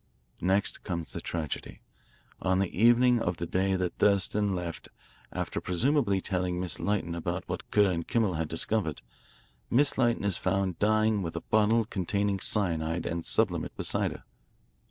"Next comes the tragedy. On the evening of the day that Thurston=20 eft, after presumably telling Miss Lytton about what Kerr & Kimmel had discovered, Miss Lytton is found dying with a bottle containing cyanide and sublimate beside her.